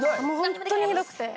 ホントにひどくて。